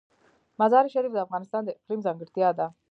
مزارشریف د افغانستان د اقلیم ځانګړتیا ده.